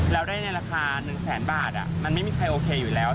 แล้วได้ในราคา๑แสนบาทมันไม่มีใครโอเคอยู่แล้ว